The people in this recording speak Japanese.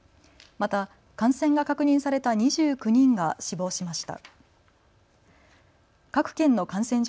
また感染が確認された２９人が死亡しました。